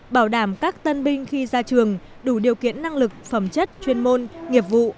bảo đảm các tân binh khi ra trường đủ điều kiện năng lực phẩm chất chuyên môn nghiệp vụ